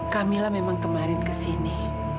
kamilah memang kemarin kesini